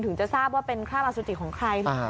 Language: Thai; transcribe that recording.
ถึงจะทราบว่าเป็นคราบอสุจิของใคร